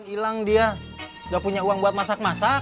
ilang dia gak punya uang buat masak masak